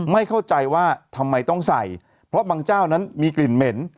ไม่เข้าใจว่าทำไมต้องใส่เพราะบางเจ้านั้นมีกลิ่นเหม็น